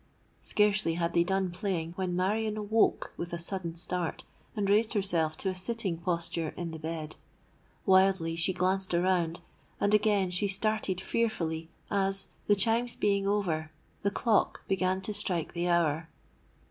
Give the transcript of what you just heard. Scarcely had they done playing, when Marion awoke with a sudden start, and raised herself to a sitting posture in the bed. Wildly she glanced around—and again she started fearfully as, the chimes being over, the clock began to strike the hour.